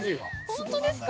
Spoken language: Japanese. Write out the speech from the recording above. ◆本当ですか。